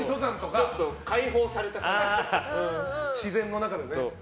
自然の中でね。